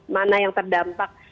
mana yang terdampak